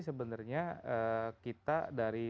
sebenarnya kita dari